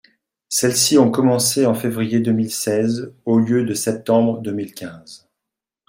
Celles-ci ont commencé en février deux mille seize au lieu de septembre deux mille quinze.